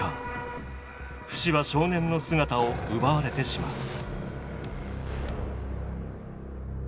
フシは少年の姿を奪われてしまう。